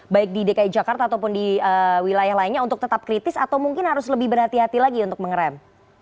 baik di dki jakarta ataupun di wilayah lainnya untuk tetap kritis atau mungkin harus lebih berhati hati lagi untuk mengerem